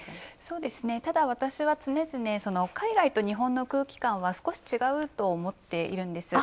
ただ、私は常々海外と日本の空気感は少し違うと思っているんです。